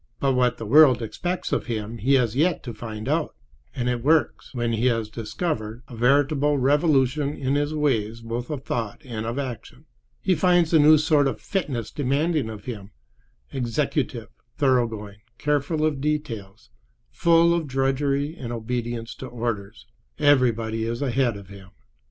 But what the world expects of him he has yet to find out, and it works, when he has discovered, a veritable revolution in his ways both of thought and of action. He finds a new sort of fitness demanded of him, executive, thorough going, careful of details, full of drudgery and obedience to orders. Everybody is ahead of him.